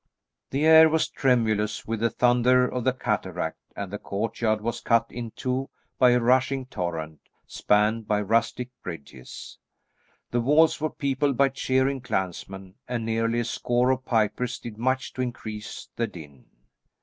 The air was tremulous with the thunder of the cataract and the courtyard was cut in two by a rushing torrent, spanned by rustic bridges. The walls were peopled by cheering clansmen, and nearly a score of pipers did much to increase the din.